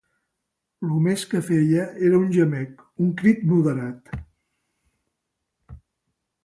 Lo més que feia era un gemec, un crit moderat